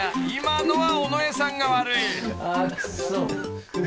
今のは尾上さんが悪い］